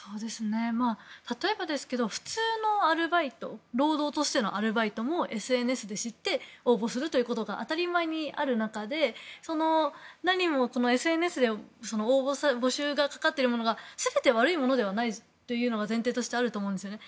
例えばですけど普通のアルバイト労働としてのアルバイトもＳＮＳで知って応募するということが当たり前にある中で何もＳＮＳで募集がかかっているものが全て悪いものではないというのが前提としてあると思うんですね。